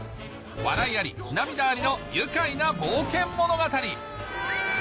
笑いあり涙ありの愉快な冒険物語